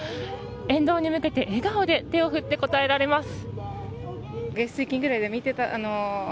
沿道に向けて笑顔で手を振って応えられます。